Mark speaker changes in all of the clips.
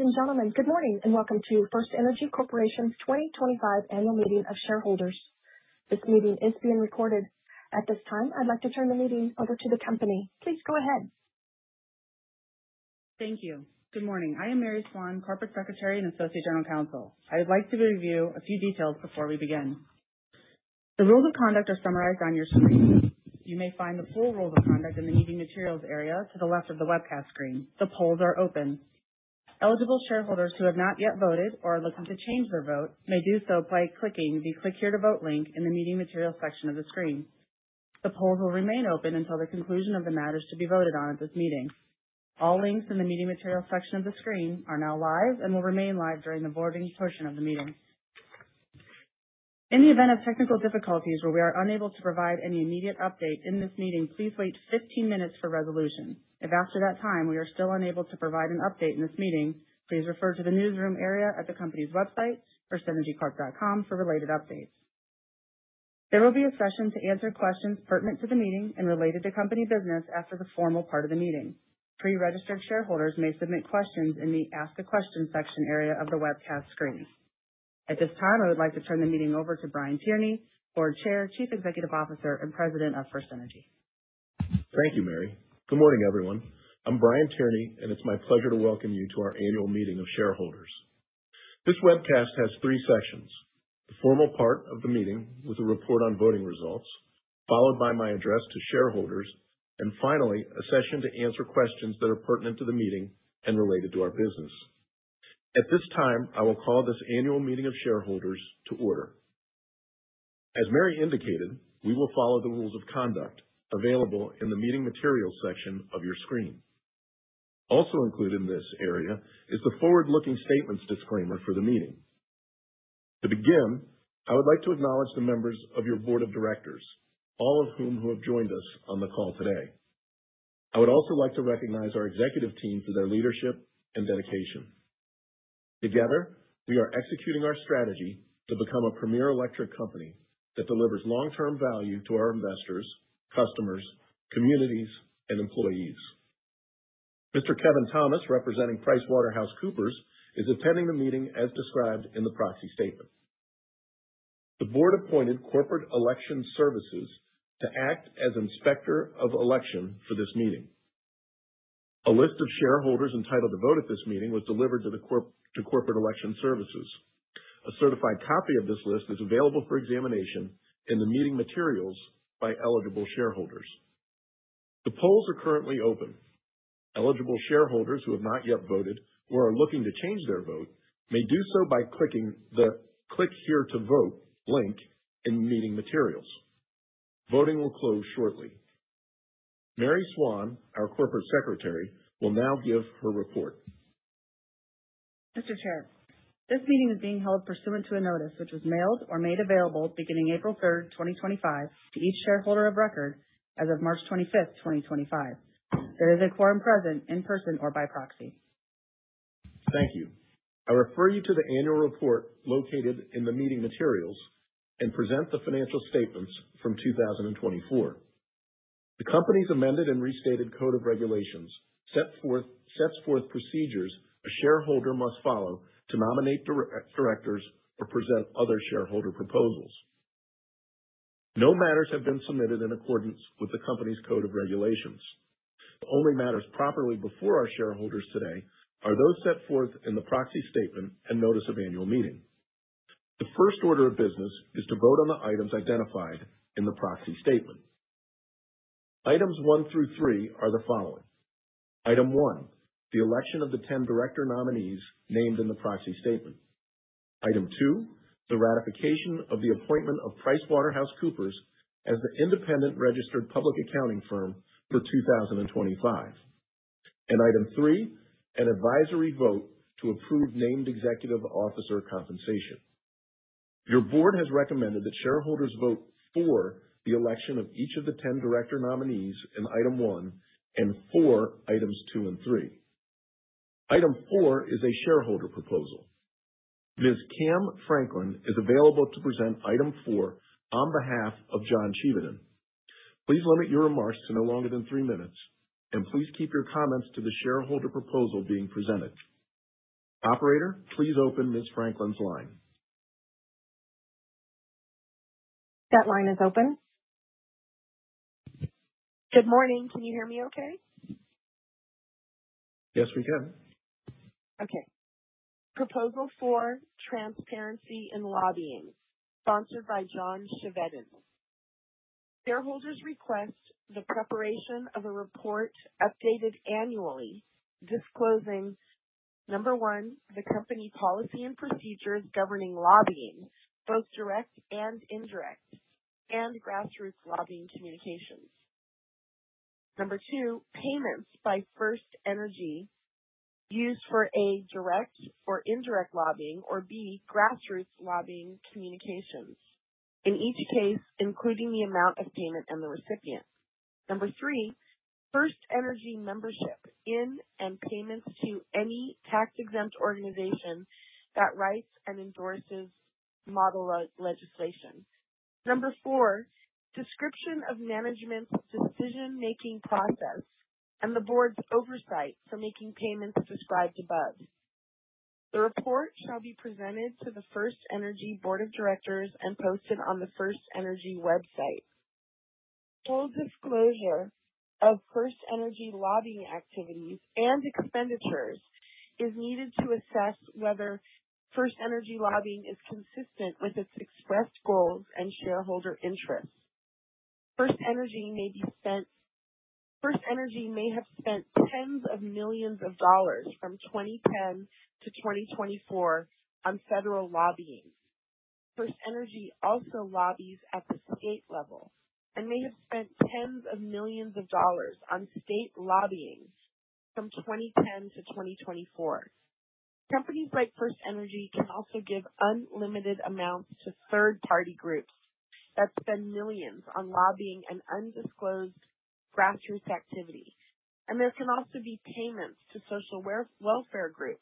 Speaker 1: Ladies and gentlemen, good morning and welcome to FirstEnergy Corporation's 2025 Annual Meeting of Shareholders. This meeting is being recorded. At this time, I'd like to turn the meeting over to the company. Please go ahead.
Speaker 2: Thank you. Good morning. I am Mary Swann, Corporate Secretary and Associate General Counsel. I would like to review a few details before we begin. The rules of conduct are summarized on your screen. You may find the full rules of conduct in the Meeting Materials area to the left of the webcast screen. The polls are open. Eligible shareholders who have not yet voted or are looking to change their vote may do so by clicking the "Click here to vote" link in the Meeting Materials section of the screen. The polls will remain open until the conclusion of the matters to be voted on at this meeting. All links in the Meeting Materials section of the screen are now live and will remain live during the voting portion of the meeting. In the event of technical difficulties where we are unable to provide any immediate update in this meeting, please wait 15 minutes for resolution. If after that time we are still unable to provide an update in this meeting, please refer to the newsroom area at the company's website, firstenergycorp.com, for related updates. There will be a session to answer questions pertinent to the meeting and related to company business after the formal part of the meeting. Pre-registered shareholders may submit questions in the "Ask a Question" section area of the webcast screen. At this time, I would like to turn the meeting over to Brian Tierney, Board Chair, Chief Executive Officer, and President of FirstEnergy.
Speaker 3: Thank you, Mary. Good morning, everyone. I'm Brian Tierney, and it's my pleasure to welcome you to our Annual Meeting of Shareholders. This webcast has three sections: the formal part of the meeting with a report on voting results, followed by my address to shareholders, and finally a session to answer questions that are pertinent to the meeting and related to our business. At this time, I will call this Annual Meeting of Shareholders to order. As Mary indicated, we will follow the rules of conduct available in the Meeting Materials section of your screen. Also included in this area is the forward-looking statements disclaimer for the meeting. To begin, I would like to acknowledge the members of your Board of Directors, all of whom have joined us on the call today. I would also like to recognize our executive team for their leadership and dedication. Together, we are executing our strategy to become a premier electric company that delivers long-term value to our investors, customers, communities, and employees. Mr. Kevin Thomas, representing PricewaterhouseCoopers, is attending the meeting as described in the proxy statement. The Board appointed Corporate Election Services to act as inspector of election for this meeting. A list of shareholders entitled to vote at this meeting was delivered to Corporate Election Services. A certified copy of this list is available for examination in the Meeting Materials by eligible shareholders. The polls are currently open. Eligible shareholders who have not yet voted or are looking to change their vote may do so by clicking the "Click here to vote" link in the Meeting Materials. Voting will close shortly. Mary Swann, our Corporate Secretary, will now give her report.
Speaker 2: Mr. Chair, this meeting is being held pursuant to a notice which was mailed or made available beginning April 3rd, 2025, to each shareholder of record as of March 25th, 2025. There is a quorum present in person or by proxy.
Speaker 3: Thank you. I refer you to the Annual Report located in the Meeting Materials and present the financial statements from 2024. The company's amended and restated code of regulations sets forth procedures a shareholder must follow to nominate directors or present other shareholder proposals. No matters have been submitted in accordance with the company's code of regulations. The only matters properly before our shareholders today are those set forth in the proxy statement and notice of annual meeting. The first order of business is to vote on the items identified in the proxy statement. Items one through three are the following: Item one, the election of the 10 director nominees named in the proxy statement. Item two, the ratification of the appointment of PricewaterhouseCoopers as the independent registered public accounting firm for 2025. Item three, an advisory vote to approve named executive officer compensation. Your board has recommended that shareholders vote for the election of each of the 10 director nominees in item one and for items two and three. Item four is a shareholder proposal. Ms. Kam Franklin is available to present item four on behalf of John Chevennen. Please limit your remarks to no longer than three minutes, and please keep your comments to the shareholder proposal being presented. Operator, please open Ms. Franklin's line.
Speaker 1: That line is open. Good morning. Can you hear me okay?
Speaker 3: Yes, we can. Okay. Proposal for transparency in lobbying, sponsored by John Chevennen. Shareholders request the preparation of a report updated annually disclosing, number one, the company policy and procedures governing lobbying, both direct and indirect, and grassroots lobbying communications. Number two, payments by FirstEnergy used for A, direct or indirect lobbying or, B, grassroots lobbying communications, in each case including the amount of payment and the recipient. Number three, FirstEnergy membership in and payments to any tax-exempt organization that writes and endorses model legislation. Number four, description of management's decision-making process and the board's oversight for making payments described above. The report shall be presented to the FirstEnergy Board of Directors and posted on the FirstEnergy website. Full disclosure of FirstEnergy lobbying activities and expenditures is needed to assess whether FirstEnergy lobbying is consistent with its expressed goals and shareholder interests. FirstEnergy may have spent tens of millions of dollars from 2010 to 2024 on federal lobbying. FirstEnergy also lobbies at the state level and may have spent tens of millions of dollars on state lobbying from 2010 to 2024. Companies like FirstEnergy can also give unlimited amounts to third-party groups that spend millions on lobbying and undisclosed grassroots activity. There can also be payments to social welfare groups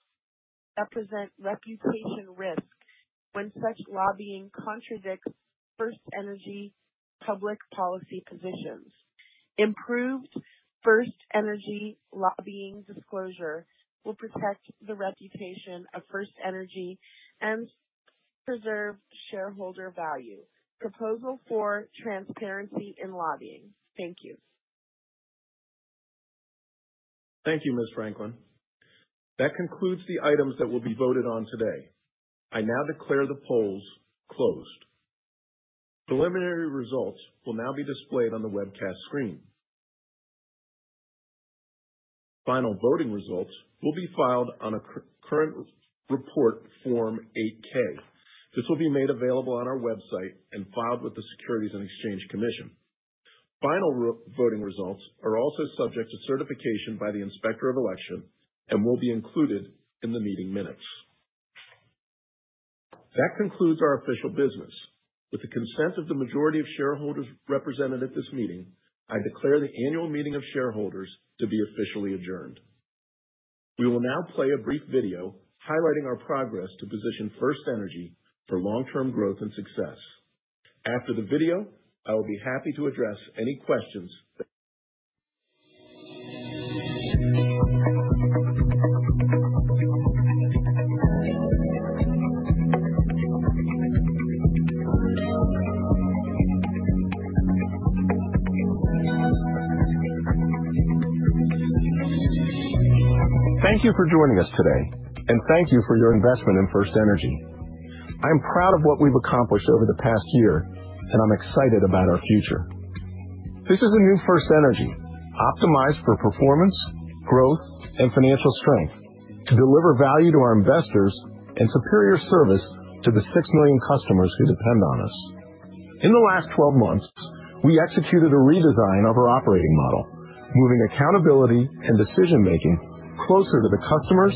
Speaker 3: that present reputation risk when such lobbying contradicts FirstEnergy public policy positions. Improved FirstEnergy lobbying disclosure will protect the reputation of FirstEnergy and preserve shareholder value. Proposal for transparency in lobbying. Thank you. Thank you, Ms. Franklin. That concludes the items that will be voted on today. I now declare the polls closed. Preliminary results will now be displayed on the webcast screen. Final voting results will be filed on a current report form 8K. This will be made available on our website and filed with the Securities and Exchange Commission. Final voting results are also subject to certification by the inspector of election and will be included in the meeting minutes. That concludes our official business. With the consent of the majority of shareholders represented at This meeting, I declare the Annual Meeting of Shareholders to be officially adjourned. We will now play a brief video highlighting our progress to position FirstEnergy for long-term growth and success. After the video, I will be happy to address any questions that. Thank you for joining us today, and thank you for your investment in FirstEnergy. I am proud of what we've accomplished over the past year, and I'm excited about our future. This is a new FirstEnergy optimized for performance, growth, and financial strength to deliver value to our investors and superior service to the six million customers who depend on us. In the last 12 months, we executed a redesign of our operating model, moving accountability and decision-making closer to the customers,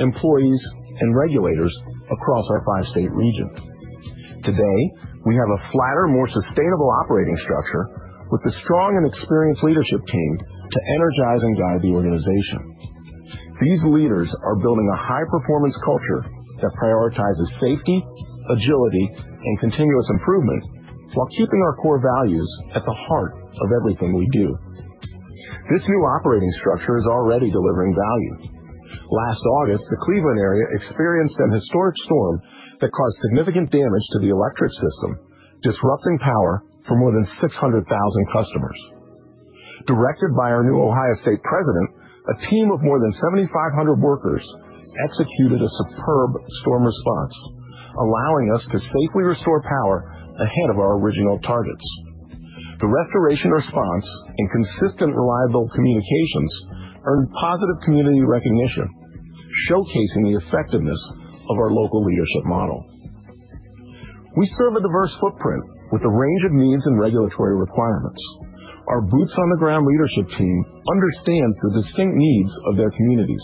Speaker 3: employees, and regulators across our five-state region. Today, we have a flatter, more sustainable operating structure with a strong and experienced leadership team to energize and guide the organization. These leaders are building a high-performance culture that prioritizes safety, agility, and continuous improvement while keeping our core values at the heart of everything we do. This new operating structure is already delivering value. Last August, the Cleveland area experienced a historic storm that caused significant damage to the electric system, disrupting power for more than 600,000 customers. Directed by our new Ohio State President, a team of more than 7,500 workers executed a superb storm response, allowing us to safely restore power ahead of our original targets. The restoration response and consistent reliable communications earned positive community recognition, showcasing the effectiveness of our local leadership model. We serve a diverse footprint with a range of needs and regulatory requirements. Our boots-on-the-ground leadership team understands the distinct needs of their communities.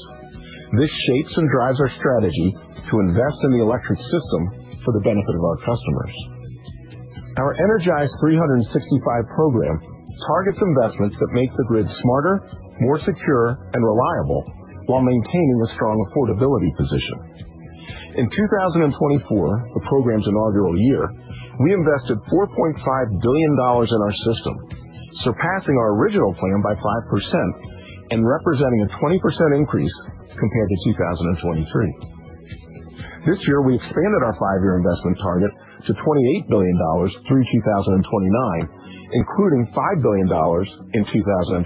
Speaker 3: This shapes and drives our strategy to invest in the electric system for the benefit of our customers. Our Energize 365 program targets investments that make the Grid smarter, more secure, and reliable while maintaining a strong affordability position. In 2024, the program's inaugural year, we invested $4.5 billion in our system, surpassing our original plan by 5% and representing a 20% increase compared to 2023. This year, we expanded our five-year investment target to $28 billion through 2029, including $5 billion in 2025.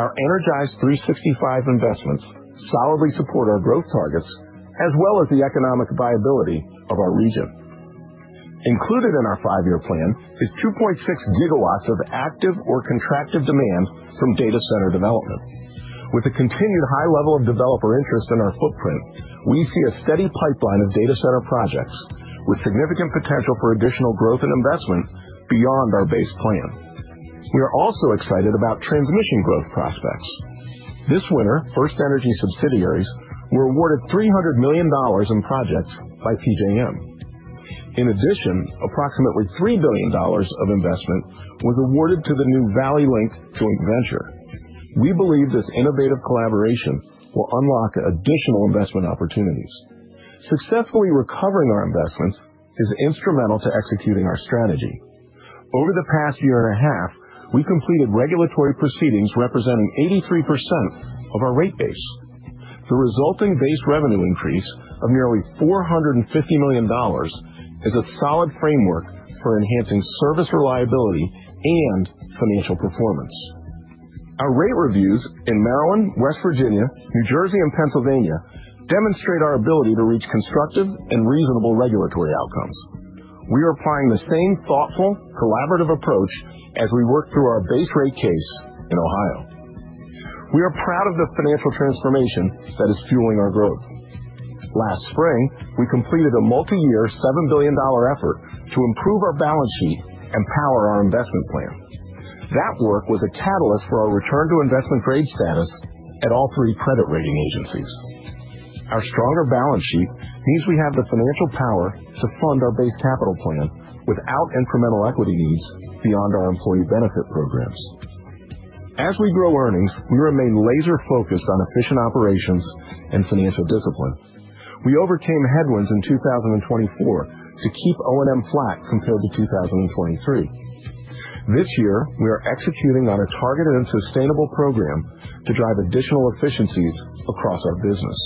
Speaker 3: Our Energize 365 investments solidly support our growth targets as well as the economic viability of our region. Included in our five-year plan is 2.6 GW of active or contracted demand from data center development. With a continued high level of developer interest in our footprint, we see a steady pipeline of data center projects with significant potential for additional growth and investment beyond our base plan. We are also excited about transmission growth prospects. This winter, FirstEnergy subsidiaries were awarded $300 million in projects by PJM. In addition, approximately $3 billion of investment was awarded to the new ValleyLink joint venture. We believe this innovative collaboration will unlock additional investment opportunities. Successfully recovering our investments is instrumental to executing our strategy. Over the past year and a half, we completed regulatory proceedings representing 83% of our Rate base. The resulting base revenue increase of nearly $450 million is a solid framework for enhancing service reliability and financial performance. Our rate reviews in Maryland, West Virginia, New Jersey, and Pennsylvania demonstrate our ability to reach constructive and reasonable regulatory outcomes. We are applying the same thoughtful, collaborative approach as we work through our base rate case in Ohio. We are proud of the financial transformation that is fueling our growth. Last spring, we completed a multi-year $7 billion effort to improve our balance sheet and power our investment plan. That work was a catalyst for our return to investment-grade status at all three credit rating agencies. Our stronger balance sheet means we have the financial power to fund our base capital plan without incremental equity needs beyond our employee benefit programs. As we grow earnings, we remain laser-focused on efficient operations and financial discipline. We overcame headwinds in 2024 to keep O&M flat compared to 2023. This year, we are executing on a targeted and sustainable program to drive additional efficiencies across our business.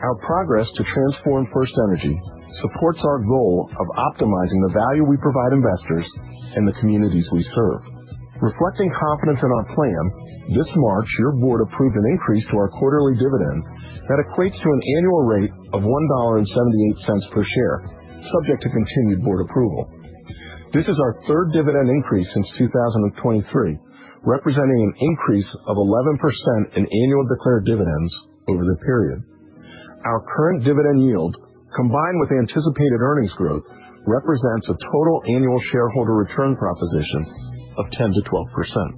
Speaker 3: Our progress to transform FirstEnergy supports our goal of optimizing the value we provide investors and the communities we serve. Reflecting confidence in our plan, this March, your board approved an increase to our quarterly dividend that equates to an annual rate of $1.78 per share, subject to continued board approval. This is our third dividend increase since 2023, representing an increase of 11% in annual declared dividends over the period. Our current dividend yield, combined with anticipated earnings growth, represents a total annual shareholder return proposition of 10-12%.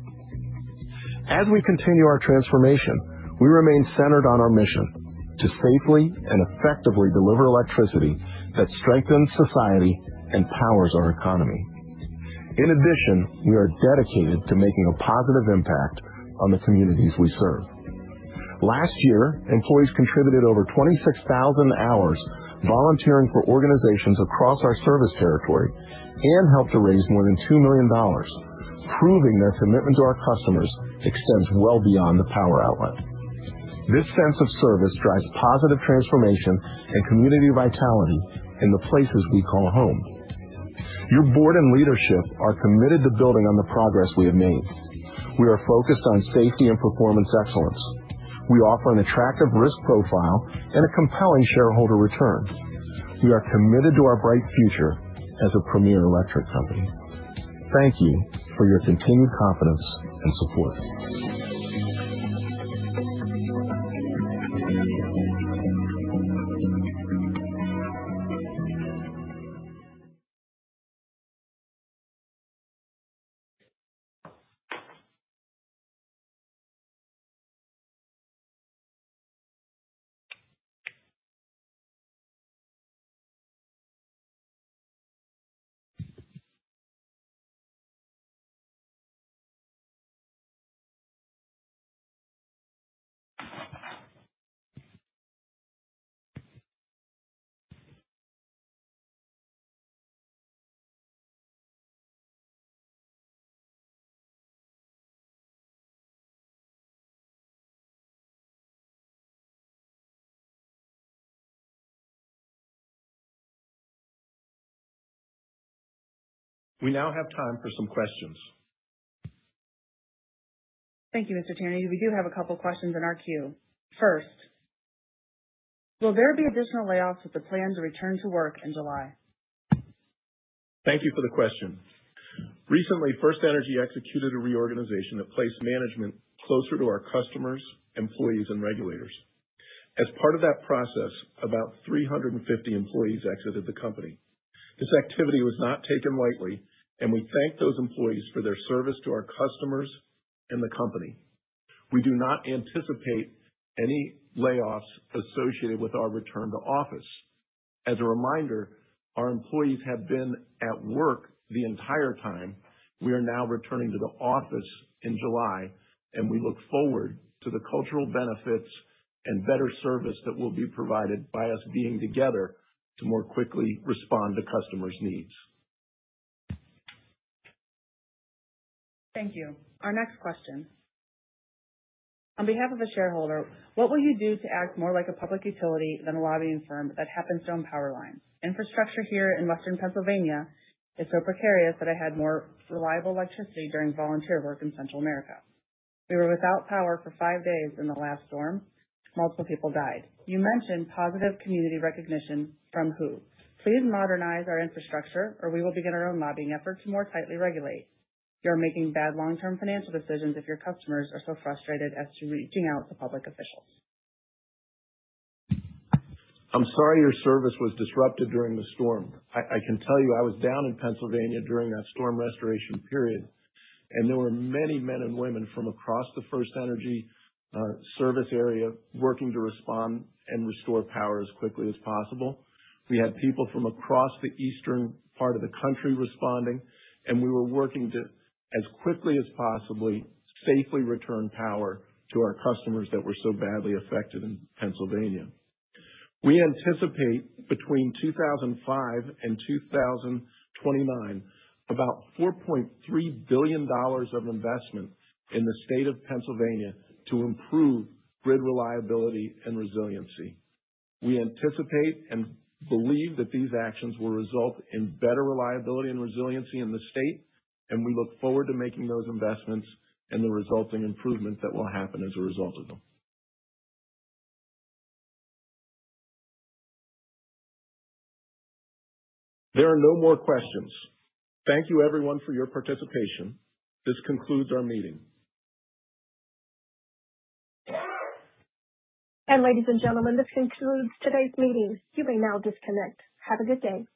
Speaker 3: As we continue our transformation, we remain centered on our mission to safely and effectively deliver electricity that strengthens society and powers our economy. In addition, we are dedicated to making a positive impact on the communities we serve. Last year, employees contributed over 26,000 hours volunteering for organizations across our service territory and helped to raise more than $2 million, proving their commitment to our customers extends well beyond the power outlet. This sense of service drives positive transformation and community vitality in the places we call home. Your Board and leadership are committed to building on the progress we have made. We are focused on safety and performance excellence. We offer an attractive risk profile and a compelling shareholder return. We are committed to our bright future as a premier electric company. Thank you for your continued confidence and support. We now have time for some questions.
Speaker 1: Thank you, Mr. Tierney. We do have a couple of questions in our queue. First, will there be additional layoffs with the plan to return to work in July?
Speaker 3: Thank you for the question. Recently, FirstEnergy executed a reorganization that placed management closer to our customers, employees, and regulators. As part of that process, about 350 employees exited the company. This activity was not taken lightly, and we thank those employees for their service to our customers and the company. We do not anticipate any layoffs associated with our return to office. As a reminder, our employees have been at work the entire time. We are now returning to the office in July, and we look forward to the cultural benefits and better service that will be provided by us being together to more quickly respond to customers' needs.
Speaker 1: Thank you. Our next question. On behalf of a shareholder, what will you do to act more like a public utility than a lobbying firm that happens to own power lines? Infrastructure here in Western Pennsylvania is so precarious that I had more reliable electricity during volunteer work in Central America. We were without power for five days in the last storm. Multiple people died. You mentioned positive community recognition from who? Please modernize our infrastructure, or we will begin our own lobbying effort to more tightly regulate. You're making bad long-term financial decisions if your customers are so frustrated as to reaching out to public officials.
Speaker 3: I'm sorry your service was disrupted during the storm. I can tell you I was down in Pennsylvania during that storm restoration period, and there were many men and women from across the FirstEnergy service area working to respond and restore power as quickly as possible. We had people from across the Eastern part of the country responding, and we were working to, as quickly as possible, safely return power to our customers that were so badly affected in Pennsylvania. We anticipate between 2005 and 2029, about $4.3 billion of investment in the state of Pennsylvania to improve Grid reliability and resiliency. We anticipate and believe that these actions will result in better reliability and resiliency in the state, and we look forward to making those investments and the resulting improvement that will happen as a result of them. There are no more questions. Thank you, everyone, for your participation. This concludes our meeting.
Speaker 1: Ladies and gentlemen, this concludes today's meeting. You may now disconnect. Have a good day.